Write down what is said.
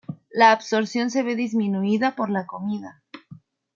La absorción se ve disminuida por la comida.